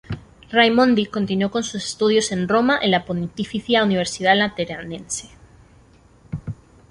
Raimondi continuó sus estudios en Roma en la Pontificia Universidad Lateranense.